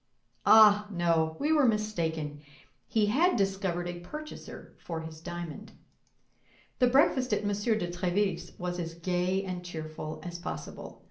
Ah! no, we were mistaken; he had discovered a purchaser for his diamond. The breakfast at M. de Tréville's was as gay and cheerful as possible.